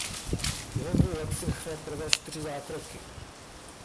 Během dvou let si nechala provést čtyři zákroky.